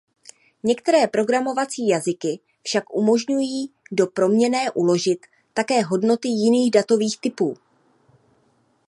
Některé programovací jazyky však umožňují do proměnné uložit také hodnoty jiných datových typů.